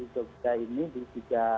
jogja ini di tiga